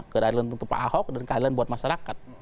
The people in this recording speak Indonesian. keadilan untuk pak ahok dan keadilan buat masyarakat